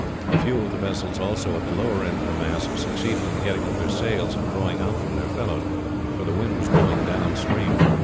A few of the vessels also at the lower end of the mass succeeded in getting up their sails and drawing out from their fellows, for the wind was blowing down stream.